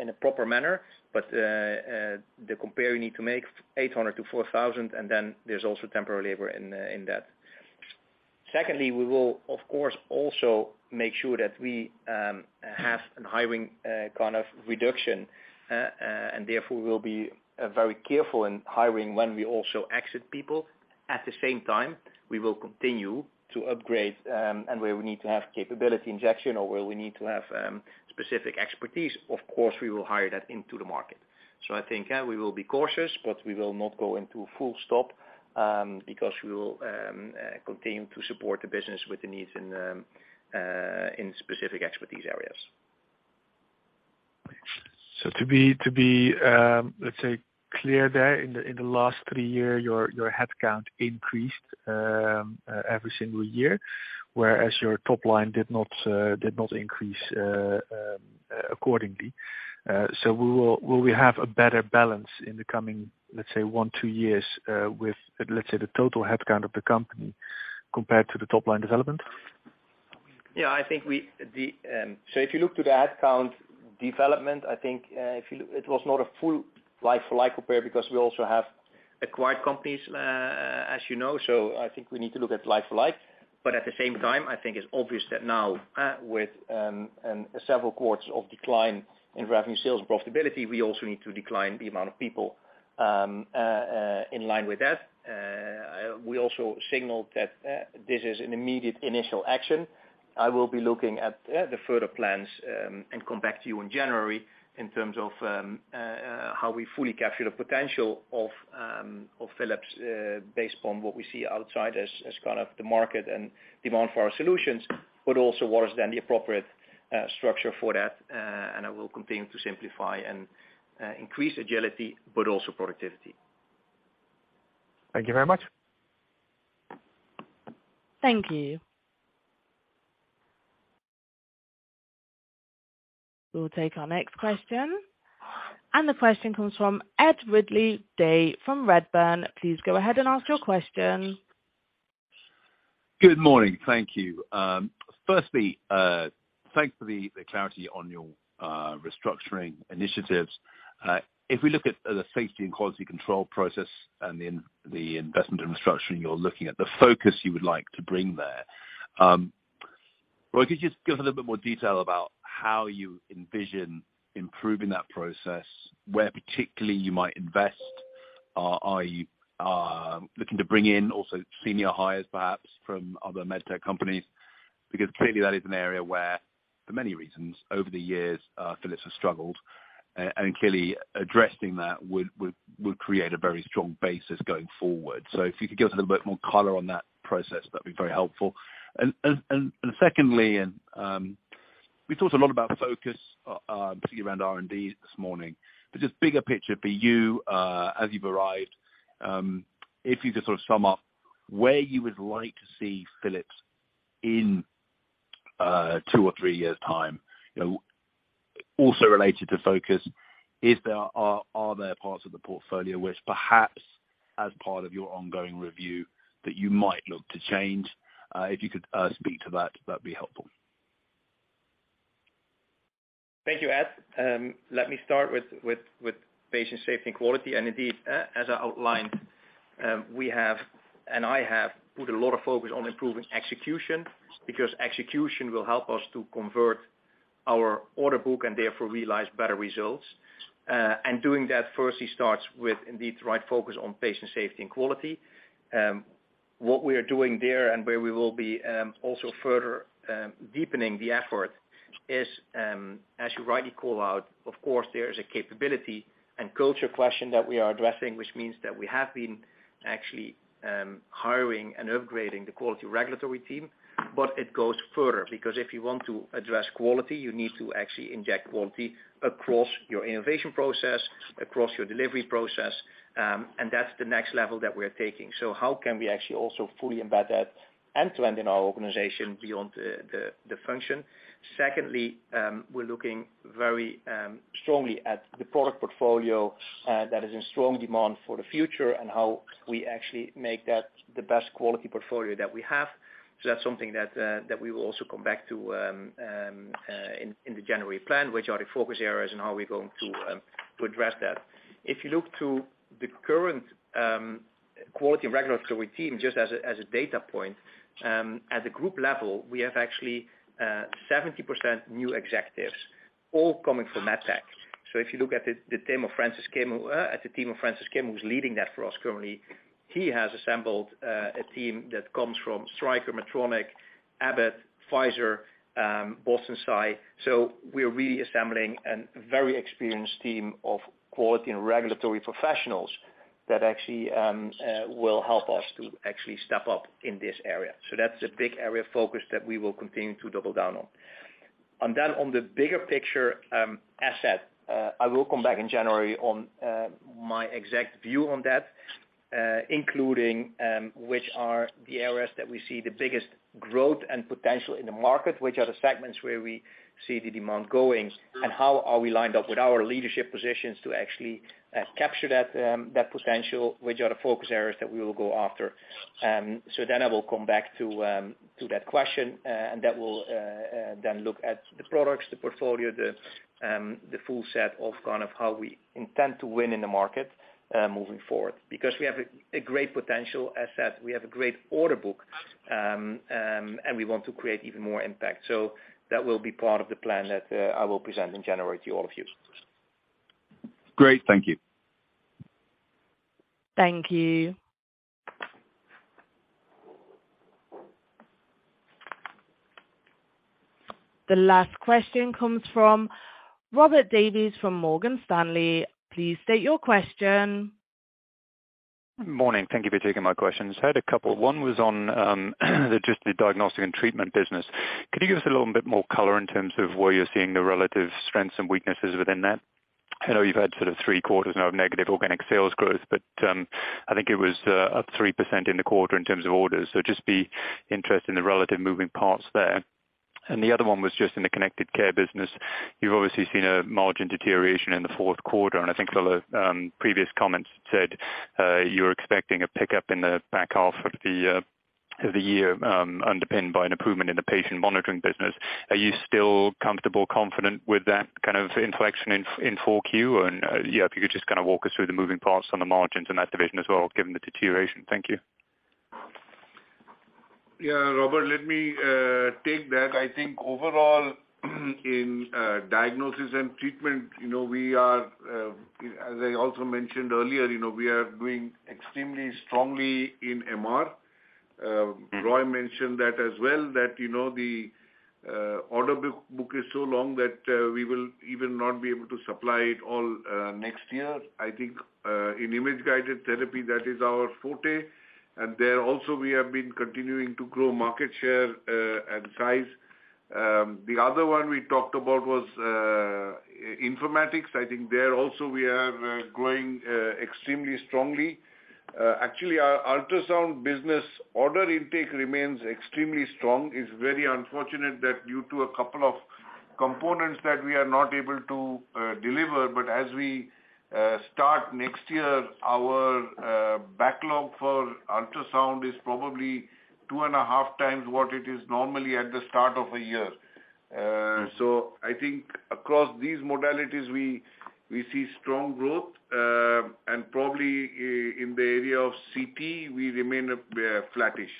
in a proper manner. The comp you need to make 800-4,000, and then there's also temporary labor in that. Secondly, we will of course also make sure that we have a hiring kind of reduction and therefore will be very careful in hiring when we also exit people. At the same time, we will continue to upgrade and where we need to have capability injection or where we need to have specific expertise, of course, we will hire that into the market. I think we will be cautious, but we will not go into full stop, because we will continue to support the business with the needs in specific expertise areas. To be clear there, in the last three years, your headcount increased every single year, whereas your top line did not increase accordingly. Will we have a better balance in the coming, let's say, one, two years, with, let's say, the total headcount of the company compared to the top line development? I think if you look at the headcount development, it was not a full like-for-like comparison because we also have acquired companies, as you know. I think we need to look at like-for-like. At the same time, I think it's obvious that now, with several quarters of decline in revenue, sales, profitability, we also need to decline the amount of people in line with that. We also signaled that this is an immediate initial action. I will be looking at the further plans and come back to you in January in terms of how we fully capture the potential of Philips based upon what we see outside as kind of the market and demand for our solutions, but also what is then the appropriate structure for that. I will continue to simplify and increase agility, but also productivity. Thank you very much. Thank you. We'll take our next question. The question comes from Ed Ridley-Day from Redburn. Please go ahead and ask your question. Good morning. Thank you. Firstly, thanks for the clarity on your restructuring initiatives. If we look at the safety and quality control process and in the investment infrastructure, and you're looking at the focus you would like to bring there, Roy, could you just give us a little bit more detail about how you envision improving that process, where particularly you might invest? Are you looking to bring in also senior hires, perhaps from other med tech companies? Because clearly that is an area where, for many reasons, over the years, Philips has struggled. Clearly addressing that would create a very strong basis going forward. If you could give us a little bit more color on that process, that'd be very helpful. Secondly, we thought a lot about focus, particularly around R&D this morning, but just bigger picture for you, as you've arrived, if you just sort of sum up where you would like to see Philips in, two or three years time. You know, also related to focus, are there parts of the portfolio which perhaps as part of your ongoing review that you might look to change? If you could speak to that'd be helpful. Thank you, Ed. Let me start with patient safety and quality. Indeed, as I outlined, we have and I have put a lot of focus on improving execution because execution will help us to convert our order book and therefore realize better results. Doing that firstly starts with indeed the right focus on patient safety and quality. What we are doing there and where we will be also further deepening the effort is, as you rightly call out, of course, there is a capability and culture question that we are addressing, which means that we have been actually hiring and upgrading the quality regulatory team. It goes further because if you want to address quality, you need to actually inject quality across your innovation process, across your delivery process, and that's the next level that we're taking. How can we actually also fully embed that end to end in our organization beyond the function? Secondly, we're looking very strongly at the product portfolio that is in strong demand for the future and how we actually make that the best quality portfolio that we have. That's something that we will also come back to in the January plan, which are the focus areas and how we're going to to address that. If you look to the current quality and regulatory team, just as a data point, at the group level, we have actually 70% new executives all coming from MedTech. If you look at the team of Francis Kim, who's leading that for us currently, he has assembled a team that comes from Stryker, Medtronic, Abbott, Pfizer, Boston Scientific. We're really assembling a very experienced team of quality and regulatory professionals that actually will help us to actually step up in this area. That's a big area of focus that we will continue to double down on. On the bigger picture, I will come back in January on my exact view on that, including which are the areas that we see the biggest growth and potential in the market, which are the segments where we see the demand going, and how are we lined up with our leadership positions to actually capture that potential, which are the focus areas that we will go after. I will come back to that question, and that will then look at the products, the portfolio, the full set of kind of how we intend to win in the market moving forward. Because we have a great potential aspect, we have a great order book, and we want to create even more impact. That will be part of the plan that I will present in January to all of you. Great. Thank you. Thank you. The last question comes from Robert Davies from Morgan Stanley. Please state your question. Morning. Thank you for taking my questions. Had a couple. One was on just the Diagnosis & Treatment business. Could you give us a little bit more color in terms of where you're seeing the relative strengths and weaknesses within that? I know you've had sort of three quarters now of negative organic sales growth, but I think it was up 3% in the quarter in terms of orders. So just be interested in the relative moving parts there. The other one was just in the Connected Care business. You've obviously seen a margin deterioration in the Q4, and I think a lot of previous comments said you're expecting a pickup in the back half of the year underpinned by an improvement in the patient monitoring business. Are you still comfortable, confident with that kind of inflection in 4Q? Yeah, if you could just kind of walk us through the moving parts on the margins in that division as well, given the deterioration. Thank you. Yeah, Robert, let me take that. I think overall, in Diagnosis and Treatment, you know, we are as I also mentioned earlier, you know, we are doing extremely strongly in MR. Roy mentioned that as well, that you know, the order book is so long that we will even not be able to supply it all next year. I think in Image-guided therapy, that is our forte. There also we have been continuing to grow market share and size. The other one we talked about was informatics. I think there also we are growing extremely strongly. Actually our Ultrasound business order intake remains extremely strong. It's very unfortunate that due to a couple of components that we are not able to deliver. As we start next year, our backlog for ultrasound is probably two and a half times what it is normally at the start of a year. I think across these modalities we see strong growth. Probably in the area of CT we remain flattish.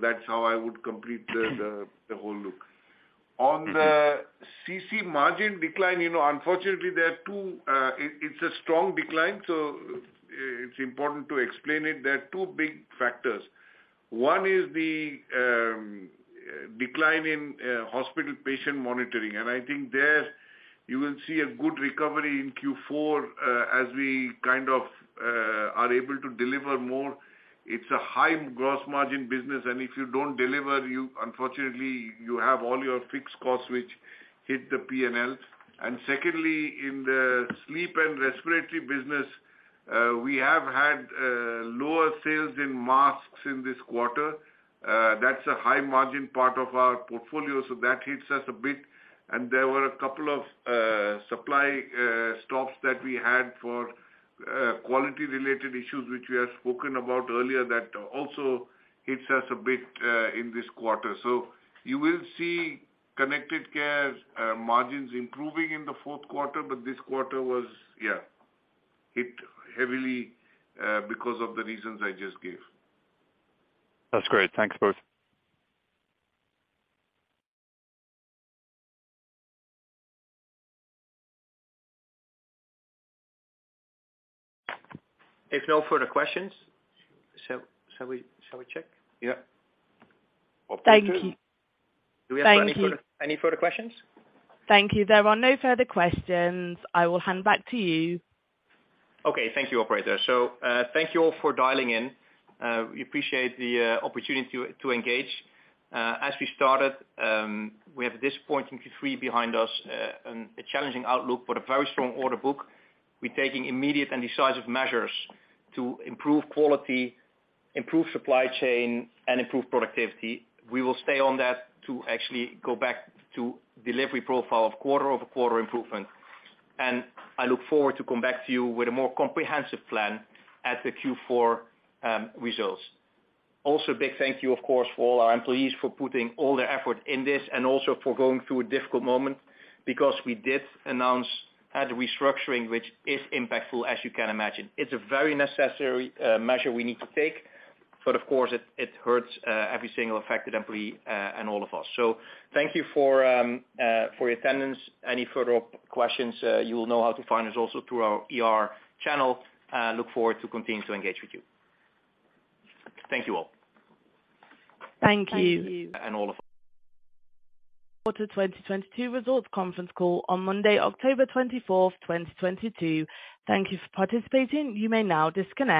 That's how I would complete the whole look. On the CC margin decline, you know, unfortunately there are two. It's a strong decline, so it's important to explain it. There are two big factors. One is the decline in hospital patient monitoring, and I think there you will see a good recovery in Q4, as we kind of are able to deliver more. It's a high gross margin business, and if you don't deliver, you unfortunately have all your fixed costs which hit the P&L. Secondly, in the Sleep and Respiratory business, we have had lower sales in masks in this quarter. That's a high margin part of our portfolio, so that hits us a bit. There were a couple of supply stops that we had for quality-related issues, which we have spoken about earlier, that also hits us a bit in this quarter. You will see Connected Care margins improving in the Q4, but this quarter was, yeah, hit heavily because of the reasons I just gave. That's great. Thanks, both. If no further questions. Shall we check? Yeah. Thank you. Do we have any further questions? Thank you. There are no further questions. I will hand back to you. Okay. Thank you, operator. Thank you all for dialing in. We appreciate the opportunity to engage. As we started, we have a disappointing Q3 behind us, and a challenging outlook, but a very strong order book. We're taking immediate and decisive measures to improve quality, improve supply chain, and improve productivity. We will stay on that to actually go back to delivery profile of quarter-over-quarter improvement. I look forward to come back to you with a more comprehensive plan at the Q4 results. Also, a big thank you, of course, for all our employees for putting all their effort in this and also for going through a difficult moment because we did announce a restructuring, which is impactful as you can imagine. It's a very necessary measure we need to take, but of course it hurts every single affected employee and all of us. Thank you for your attendance. Any further questions, you will know how to find us also through our IR channel. Look forward to continuing to engage with you. Thank you all. Thank you. Quarter 2022 results conference call on Monday, October 24th, 2022. Thank you for participating. You may now disconnect.